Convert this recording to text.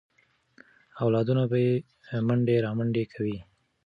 اولادونه به یې منډې رامنډې کوي.